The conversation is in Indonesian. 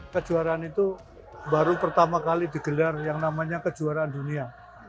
kejuaraan itu baru pertama kali digelar yang namanya kejuaraan dunia